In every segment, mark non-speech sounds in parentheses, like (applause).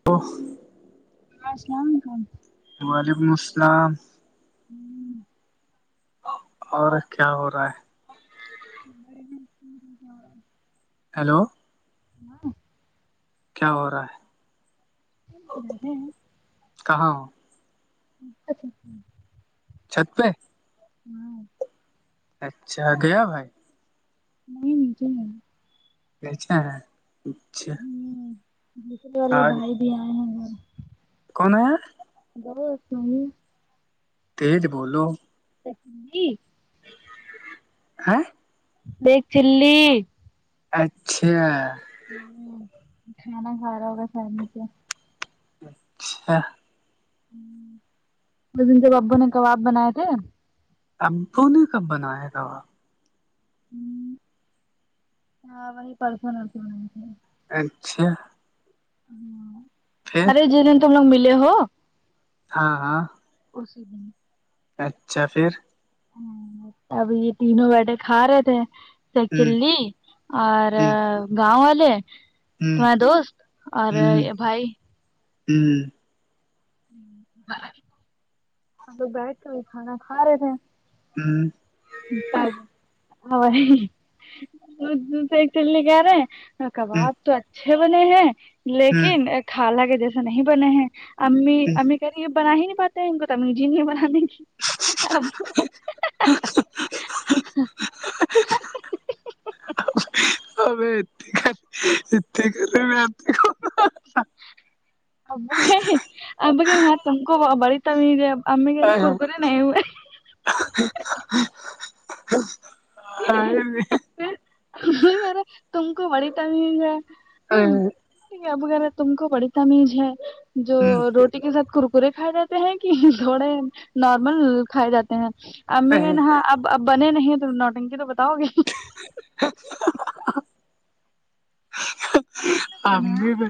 (unintelligible) السلام علیکم وعلیکم السلام (inaudible) اور کیا ہو رہا ہے (inaudible) ہیلو (inaudible) کیا ہو رہا ہے (unintelligible) کہاں اچھا چھت پہ (inaudible) اچھا گیا بھائی (unintelligible) (unintelligible) ہوں دوسرے والے آ بھائی بھی آئے ہیں اور کون آ ہے (unintelligible) تج بولو (unintelligible) (unintelligible) ہیں ایک چلی اچھا کھانا کھا رہا (unintelligible) من کے ابو نے کباب بنائے تھے ابو نے کب بنایا تھا وہ (unintelligible) اچھا ہاں پھر ارے جن دن تم لوگ ملے ہو ہاں ہاں اس د (unintelligible) اچھا پھر ہ اب یہ تینوں بیٹے کھا رہے تھے ہ سچلی اور ہ گاؤں والے ہ ہ تمہارے دوست اور بھائی ھمم ہم تو بیٹھ کے ہوئے کھانا کھا رہے تھے ھممم (unintelligible) ہ چ گار کباب ہ تو اچھے بنے ہیں لیکن ہ کالا کے جیسے نہیں بنے ہیں امی امی کہہ رہی یہ بنا ہی نہیں پاتے ہے ان کو ت امی جی نہیں بنا دیں گی (unintelligible) ابت کت (unintelligible) بھیتی (unintelligible) اب اب کہ ہاں تم کو بڑ تم گ ککر نہیں ہ ہے ج (unintelligible) (unintelligible) نہیں ارا تم کو بڑی ت نہیں ہے ہاں بغیرہ تم کو بڑی تمیز ہے جو روٹی کے ساتھ کو ر پورے کھائے جاتے ہیں کہ تھوڑے نارمل کھائے جاتے ہیں امی آتے کہ ن اب اب بنے نہیں تو نوٹنگی تو بتاؤ گے (unintelligible) امی پ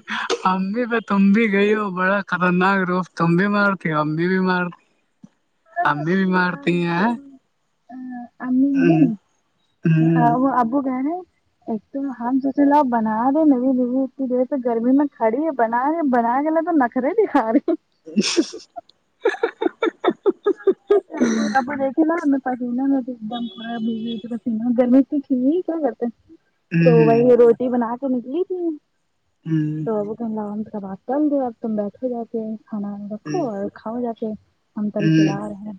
امی پ (unintelligible) تم بھی گئی ہو بڑا خطرناک روف تم بھی مارتی ہو ہم بھی بھی مارتے امی بھی مارتی ہیں ہ امی ہاں نہیں وہ ابو گئےنے ایک دم ہم تلاو بنا رہے نوی دوی اتنی دیر سے گرمی میں کھڑی ہے بنا رہے بنا کےے تو ن خرا دھا رہی ہو (unintelligible) اکا (unintelligible) پ آپ دیکھے نا میں پینا میں ایک دم پورا بھیو پینا گرمی تو ٹھیک ہے ہی کیا کرتے ہیں (unintelligible) تو وہی روٹی بنا کے نکلی تھی ھمم تو وہ کہام کبات چل د اب تم بیٹھ ہو جاتے ہیں کھاناا رکھو اور کھاؤ جا کے ہم تل پلا رہے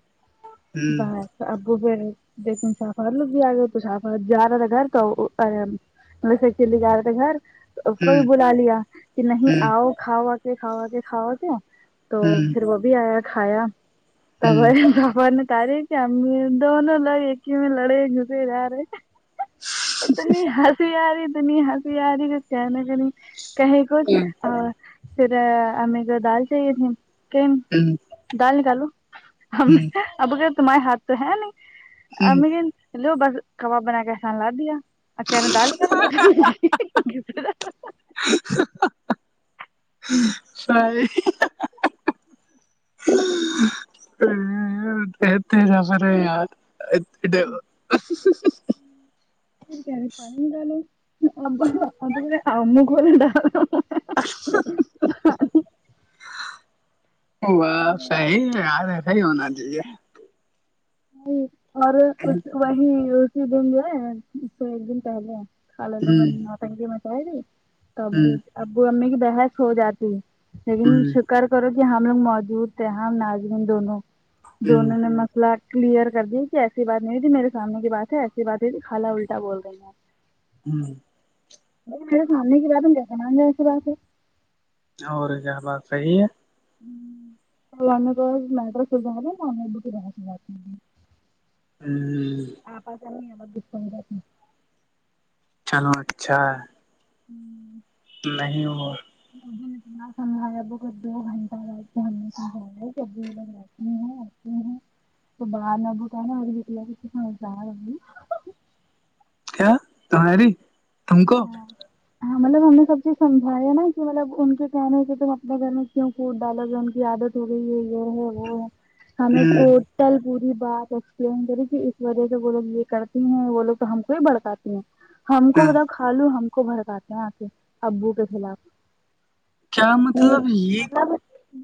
بائے ابو پھر دیکن شافات لوگ بھی آ گئے تو شافات جا رہا تھا گھر تو وسے چلی گا رہ تھا گھر ا کو بھی بلا لیا کہ نہیں آؤ کھاوا کے کھاوا کے کھاوا کے تو پھر وہ بھی آیا کھایا بپا نے تاریخ کہ ہم دونوں لوگ ایک ہی میں لڑے گھسے جا رہے اتنی ہنسی آ رہی اتنی ہنسی آ رہی ک کہنا کری کہیں کو پھر ہمیں کو دال چاہیے تھی کہ ہوں ڈال نکالو اب تمارے ہاتھ تو ہے نہیں ا چلو بس کباب بنا کے ایحسان لا دیا آ کیا نے دال کر سر ا د دز س رہے یار ا کیا پانی ڈالو اب ہم کوول ڈا ا ب صحی ہے یاار ہے صحی ہونا چاہیے اور اس وہی رسی دن جو اس سے ایک دن پہلے کا لے ہ لوگن تنگی مچائی تی تو ہ ابو ابو امی کی بحث ہو جاتی لیکن ہ کر کرو کہ ہم لوگ موجود تھے ہم ناظرین دونوں دونوں نے مسئلہ کلیئر کر دییا کہ ایسی بات نہیں تھی میرے سامنے کی بات ہے ایسی بات ہوئی تھی خالا الٹا بول رہی ہیں ہوں نہیں میرے سامنے کی بات ہم کیسے مان گا ایسی بات ہے اور کیا بات صحیح ہے نے تو مٹر سز نات ہوں آپاس نہیں ب دس چلو اچھا ہوں نہیں وہ مھے نے اتنا سمجھایا وہ دو گھنٹہ رہے چے تو باہر نہ بت ہے نا اور بھیلہ ک سسار ہوگی کیا تہاری تم کو ہاں مطلب ہم نے سب چیز سمجھیا ہے نا کہ مطلب ان کے کہنے کہ تم اپنے گھر میں کیوں کوٹ ڈالو گا ان کی عادت تھی یہ ہے وہ ہے ہم نے کل پوری بات ایکسپلین کرے کہ اس وجہ سے وہ لوگ یہ کرتی ہیں وہ لوگ تو ہم کو ہی بڑکاتی ہیں ہم کو بتا کھا لو ہم کو بھڑکاتے ہیں آ کے ابو کے خلاف کیا کہ مطلب یہ مطلب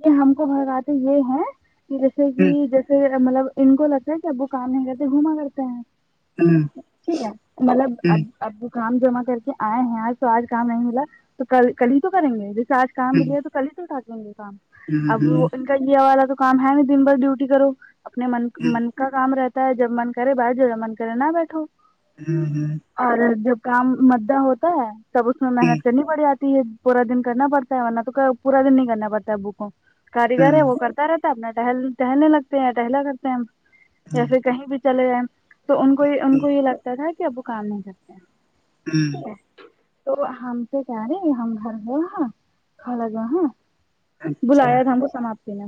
یہ ہم کو ہر باتیں یہ ہے کہ جیسے کہ جیسے مطلب ان کو لگتا ہے کہ اب وہ کام نہیں کرتے گھوما کرتے ہیں ٹھیک ہے مطلب اب اب وہ کام جمع کر کے آئے ہیں آج تو آج کام نہیں ملا تو کل کل ہی تو کریں گے جیسے آج کام مل ہے تو کل ہی تو اٹ لیں گے کام اب کیا والا تو کام ہے ن دن بھر ڈیوٹی کرو اپنے من من کا کام رہتا تا ہے جب من کرے باہر جو جب من کرے نہ بیٹھو ہوں ہوں اور جب کام مدہ ہوتا ہے تب اس میں محنت کرنی پڑ جاتی ہے پورا دن کرنا پڑتا ہے ورنہ تو پورا دن نہیں کرنا پڑتا ہے بک کو کاریگر ہے وہ کرتا رہتا ہے اب ن ٹہل ٹہلنے لگتے ہیں یا ٹہلا کرتے ہیں ہم یا پھر کہیں بھی چلے جائیں تو ان کو ان کو یہ لگتا تھا کہ اب وہ کام نہیں کرتے ہوں ٹھیک ہے تو ہم سے کہہ رہے ہم گھر ہوئے ہاں کااگا ہاں اچھا بلایا تھا ہم کو سماپتی نے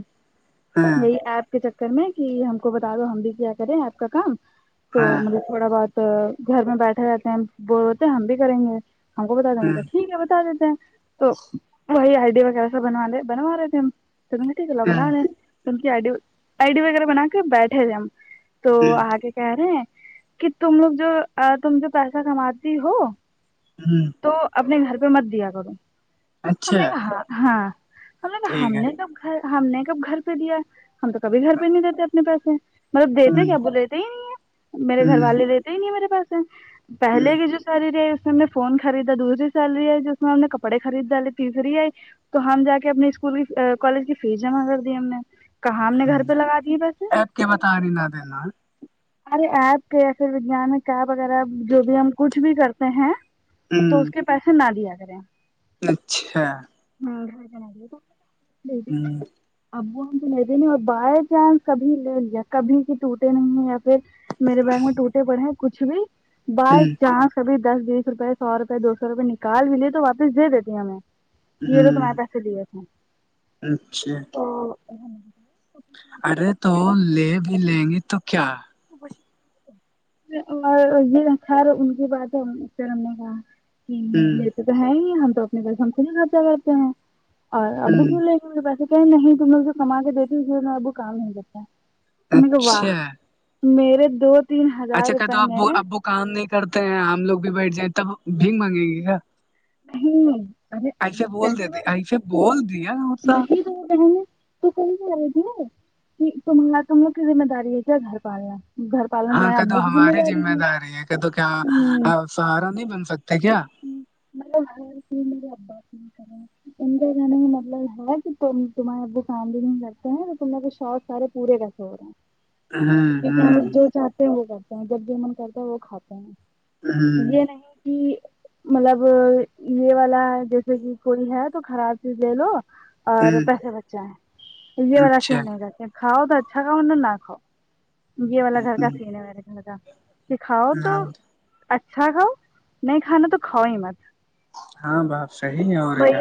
ہاں یہی ایپ کے چکر میں کہ ہم کو بتا دو ہم بھی کیا کریں آپ کا کام تو ہاں مطلب تھوڑا بہت گھر میں بیٹھے رہتے ہیں بول بولتے ہم بھی کریں گے ہم کو بتا دانا تھا ٹھیک ہے بتا دیتے ہیں تو وہی آئیڈیا وغیرہ سب بنوا لے بنوا رہے تھے ہمٹیکلا بنا رہے کی آئی ڈی آئی ڈی وغیرہ بنا کے بیٹھے تھے ہم تو آگ کہہ رہے ہیں کہ تم لوگ جو تم جو پیسہ کماتی ہو ہوں تو اپنے گھر پہ مت دیا کرو ہم نے اچھا ہاں ہم نے ہم ٹھیک ہے نے تو ہم نے کب گھر پہ دیا ہم تو کبھی گھر پہ نہیں دیتے اپنے پیسے مطلب دیتے کیا اب وہ لیتے ہی نہیں ہے میرے گھر والے لیتے ہی نہیں ہے میرے پاس پہلے کے جو سی ہے اس میں فون خریدا دوسری سی رہی ہے جس میں ہم نے کپڑے خریداالے تیسری آئی تو ہم جا کے اپنی اسکول کی کالج کی فیس جمع کر دی ہم نے کہاں ہم نے گھر پہ لگا دیے پیسے ایپ کے بتا رہی نہ دینا ہمارے ایپ کے یا پھر وگانک ایپ وغیرہ جو بھی ہم کچھ بھی کرتے ہیں تو اس کے پیسے نہ دیا کریں اچھا ہاں جنا تو لج ابو ہم کو لے دنے اور بائی چانس کبھی لے لیا کبھی کہ ٹوٹے نہیں ہیں میرے بیگ میں ٹوٹے پڑے ہیں کچھ بھی بائی چانس سبھی دس بیس روپے سو روپئے دو سو روپئے نکال بھیے تو واپس دے دیتی ہیں ہمیں یہ تو تمہارے پیسے دیے تھے اچھا ااں ارے تو لے بھی لیں گے تو کیا ا ب اور یہ خیر ان کے بعد سر ہم نے کہا ہوں کہ تو ہے ہی ہم تو اپنے پس ہم خود ہی خرچا کرتے ہیں اور ابو ہوں بھی لے پیس کہ نہیں تم اسے کما کے دیتی اب کو کام نہیں کرتا کا اچھا واہ میرے دو تین ہزار اچھا کہ تو روپئے میں اب اب وہ کام نہیں کرتے ہیں ہم لوگ بھی بیٹھ جائیں تب بھی مانگیں گی کیا نہیں ارے ایسے بول کیسے دیتے ایسے بول دیا اس سا رہے ہیں تو کوئی آائے گی تما تموگ کی ذمہ داری ہے کیا ہے گھر پالنا گھر پالنا ہاں تمہارے کہ تو ابو کی ہماری ذمہ داری ہے کہ تو کیا سہارا نہیں بن سکتے کیا نے ہ کی میرے ابا کی (unintelligible) ت کے رہنے کا مطلب ہے کہ تم تمہارے ابو کام بھی نہیں کرگتے ہیں تم نے کو شوق سارے پورے ر سو (unintelligible) ہوں کیونکہ ہم لوگ ہوں جو چاہتے ہوگا جب بھی من کرتا ہے وہ کھاتے ہوں ہیں یہ نہیں کہ مطلب یہ والا جیسے کہ کوئی ہے تو خراب چیز لے لو اور ہوں پیسے بچائ ہے یہ اچھا والاسین نہیں رہتے کھاؤ تو اچھا کاؤن نہ کھاؤ یہ والا گھر کا تھی نا میرے گھر کا کہ کھاؤ تو ہوں، اچھا کھاؤ نہیں کھانا تو کھاؤ ہی مت ہاں باپ صحیح ہے اور کیا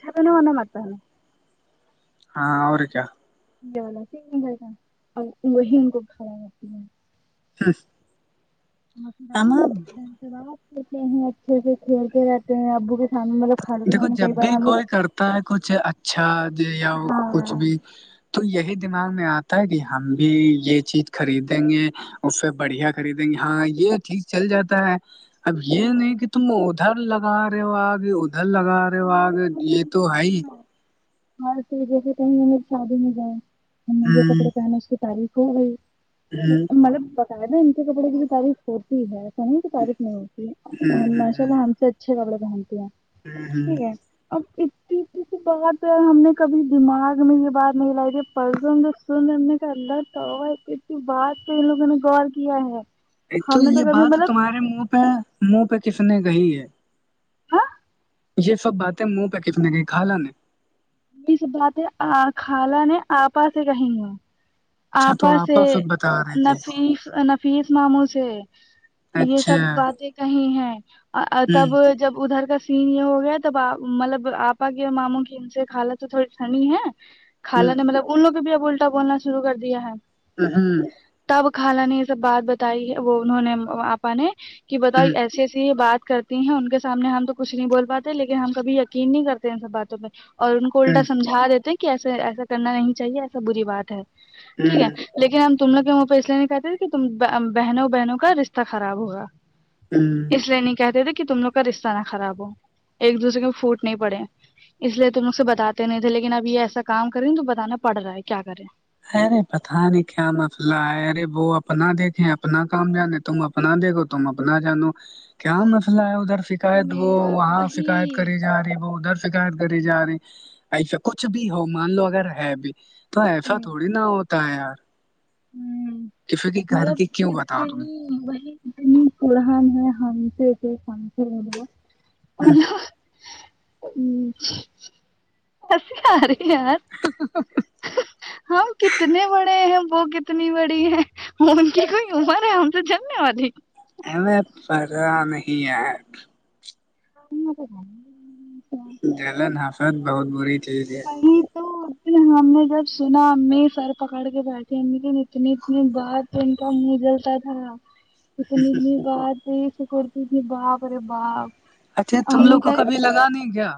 چا ہوناا ماتتا ہاں اور ر کیا جا کرا ا وہی ان کو کھڑا جاتتی ہے جی ابو بعد کلتے ہیں اچھے سے کھیلتے رہتے ہیں ابو کے سامنے مطلب خالو کے دیکھو سامنے کئی جبھی بار ہی ہم کوئی لوگ کرتا ہے کچھ اچھا یا کچھ ہاں بھی تو یہی دماغ میں آتا ہے کہ ہم بھی یہ چیز خریدیں گے اسے بڑھیا خریدیں گے ہاں یہ ٹھیک چل جاتا ہے اب یہ نہیں کہ تم ادھر لگا رہے ہو آگے ادھر لگا رہے اور مے بد یہ تو ہے ہی (unintelligible) اور پ جیسے کہیں میری شادی میں جائے ہم نےھے ہوں، کپڑے پہنے اس کی تعریف ہو گئی ٹھیک ہوں، ہے مل بتا ہے ن ان کے کپڑے کی بھی تعریف ہوتی ہے سح کی تابف نہیں ہوتی ہوں، ہم ہوں، ماشاء اللہ ہم سے اچھے کپڑے پہنتے ہیں ھممم ھمم اور کت (unintelligible) اس بات پ ہم نے کبھی دماغ میں یہ بات نہیں لائی کہ پرسوں جو سن ہم نے کا لت تو ک کی بعد تو ان لوگوں نے غور کیا ہے ایک تو ہم نے یہ کبھی بات مطلب تمہارے منہ پہ منہ پہ کس نے کہی ہے ہاں یہ سب باتیں منہ پہ کتنے کہ کھالا نے سب باتیں خالہ نے آپا سے کہیں گا اچھا آپا تو سے سب بتا رہے تھے نفیس فیس ماموں سے یہ سب اچھا باتیں کہیں ہیں ہوں تب جب ادھر کا سین یہ ہو گیا تبپ مطلب آپا کے ماموں کی ان سے کالا تو تھوڑی ٹھنڈی ہے ہوں کالہ نے مطلب ان لوگ کو بھی اب الٹا بولنا شروع کر دیا ہے ہ ھمم تب خانہ نے یہ سب بات بتائی ہے وہ انہوں نے آپا نے کہ بتاؤ ایسی ایسی یہ بات کر ہیں ان کے سامنے ہم تو کچھ نہیں بول پاتے لیکن ہم کبھی یقین نہیں کرتے ان سب باتوں پہ اور ان کو الٹا سمجھا دیتے ہیں کہ ایسے ایسا کرنا نہیں چاہیے ایسا بری بات ہے ٹھیک ہے ارے لیکن ہم تم لوگ وہاں پہ اس لیے نہیں کہتے تھے کہ ت بہنوں بہنوں کا رشتہ خراب ہوگا ہم اس لیے نہیں کہتے تھے کہ تم لوگ کا رشتہ نہ خراب ہو ایک دوسے کو پھوٹ نہیں پڑے اس لیے ت مجھ سے بتاتے نہیں تھے لیکن اب یہ ایسا کام کریں تو بتانا پڑ رہا ہے کیا کریں ارے پتہ نہیں کیا مسلہ ہے ارے وہ اپنا دیکھیں اپنا کام جانے تم اپنا دے گو تم اپنا جانو کیا مسئلہ ہے ادھر فک شکایت وہ میرا وہاں شکایت وہی کری جا رہی ہے وہ ادھر سے فکار کری جا رہی ایسا کچھ بھی ہو مان لو اگر ہے بھی تو ایسا تھوڑی نہ ہوتا ہے یار کفر کے گھر کی کیوں بتاؤ تم ج فورحان ہے حان سے کہ اور ایس آ رہے یار ہم کتنے بڑے ہیں وہ کتنی بڑی ہے ان کی کوئی عمر ہے ہم تو جاننے والی ایں پہ نہیں ہ دلین ہاصت بہت بڑی بلی (unintelligible) تو ہم نے جب سنا امی سر پکڑ کے بیٹھی امی دن اتنی دن بع تو ان کا منہ جلتا تھا ا تو م م با د شکتی م باپ ارے باپ اچھے تم ہمیں لوگ کہ کو کبھی لگا نہیں کیا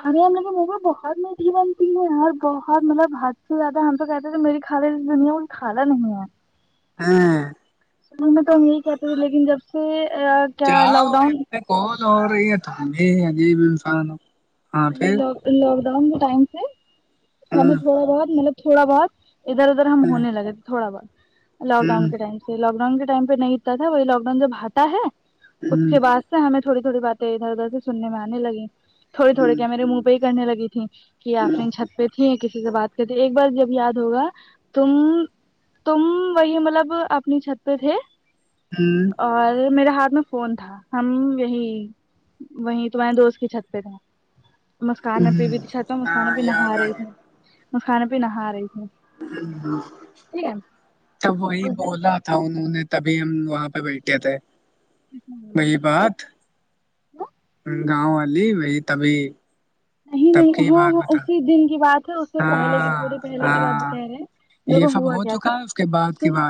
کھانے ہم لگ ما بہت میٹھی بنتی ہے اور بہت مطلب حد سے زیادہ ہم کہتے کہ میری خال دنیا ہ خالا نہیں ہے (inaudible) س میں تو ہم یہی کہتے تھے لیکن جب سے کیا لاک ڈاؤن ک در یہ تو آگے بھیمفا ن لاک ڈاؤن ٹائم سے ہاں ہمیں تھوڑا بہت مطلب تھوڑا بہت ادھر ادھر ہم ہونے لگے تھے تھوڑا بہت لاک ڈاؤن ہوں کے ٹائم سے لاک ڈاؤن کے ٹائم پہ نہیں اتا تھا وہی لاک ڈاؤن جب آتا ہے اس کے بعد ہمیں تھوڑی تھوڑی بیں ادھر ادھر سے سننے میں آنے لگی تھوڑے ہوں تھوڑے ہوں کیا میرے منہ پہ ہی کرنے لگ تھی کہ یہ آفرین چھت پہ تھی یا کسی سے بات تو ایک بار جب یاد ہوگا تم تم وہی مطلب اپنی چھت پہ تھے (inaudible) اور میرے ہاتھ میں فون تھا ہم یہی وہی تمہارے دوست کی چھت پہ تھے مسکانہ پہ ہاں، بھی د چھات میںہ مسکانہ ہاں، بھی نہا یاد آ رہی تھی گیا مسکانہ پہ نہا رہی تھی ہ ہ ٹھیک ہے توب وہی اس دن کی بولا تھا انہوں نے تبھی ہم وہاں پہ بیٹھے تھے (inaudible) کئی بات گاؤں والی بی تبھی نہیں تب نہیں کی ہاں بات ہاں بتا اسی دن کی بات ہے اس سے پہلے کی ہاں تھوڑی پہلے کی بات ہاں کہہ رہے ہیں یہ دیکھو سب ہوا ہو کیا تھا چکا ہے اس کے بعد کی سن بعد